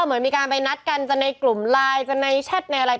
เหมือนมีการไปนัดกันจะในกลุ่มไลน์จะในแชทในอะไร